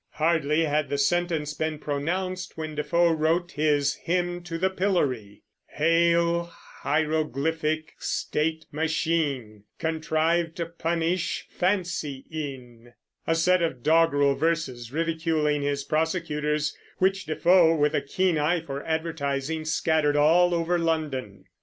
Hardly had the sentence been pronounced when Defoe wrote his "Hymn to the Pillory," Hail hieroglyphic state machine, Contrived to punish fancy in, a set of doggerel verses ridiculing his prosecutors, which Defoe, with a keen eye for advertising, scattered all over London.